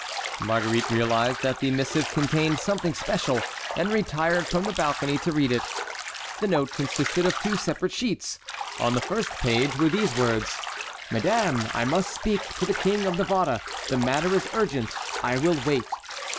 Marguerite realized that the missive contained something special, and retired from the balcony to read it. The note consisted of two separate sheets. On the first page were these words: "Madame, I must speak to the King of Navarre. The matter is urgent. I will wait."